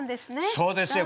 そうですよ。